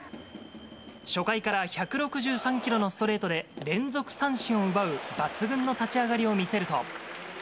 初回から１６３キロのストレートで、連続三振を奪う抜群の立ち上がりを見せると。